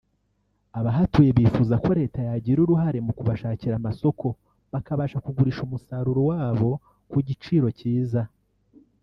abahatuye bifuza ko Leta yagira uruhare mu kubashakira amasoko bakabasha kugurisha umusaruro wabo ku giciro cyiza